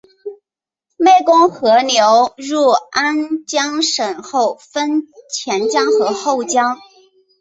湄公河流入安江省后分前江与后江。